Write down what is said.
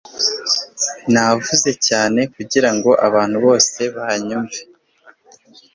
Navuze cyane kugirango abantu bose banyumve